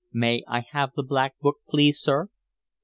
"May I have the Black Book, please, sir."